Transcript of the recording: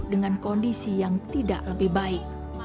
dengan kondisi yang tidak lebih baik